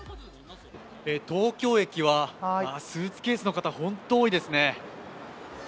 東京駅はスーツケースの方、本当に多いですね。